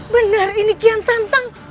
benar ini kian santang